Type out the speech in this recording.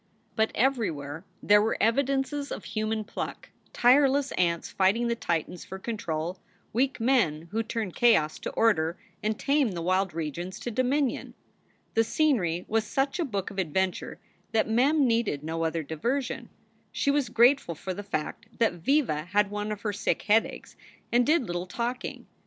But everywhere there were evidences of human pluck; tireless ants fighting the Titans for control; weak men who turn chaos to order and tame the wild regions to dominion. The scenery was such a book of adventure that Mem needed no other diversion. She was grateful for the fact that Viva had one of her sick headaches and did little talking.